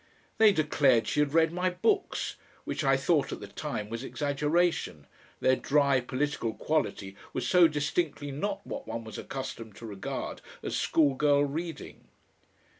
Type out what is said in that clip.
They declared she had read my books, which I thought at the time was exaggeration, their dry political quality was so distinctly not what one was accustomed to regard as schoolgirl reading.